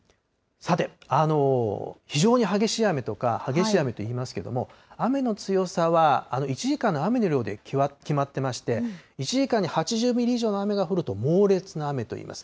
さて、非常に激しい雨とか、激しい雨といいますけれども、雨の強さは、１時間の雨の量で決まっていまして、１時間に８０ミリ以上の雨が降ると、猛烈な雨といいます。